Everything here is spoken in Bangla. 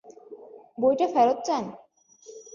বইটা ফেরত চান?